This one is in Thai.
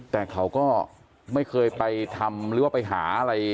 แต่เขาก็ไม่เคยไปทำหรือว่าไปหาอะไร